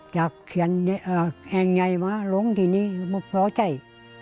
จากแองใหญ่มาลงที่นี่มันพอใจ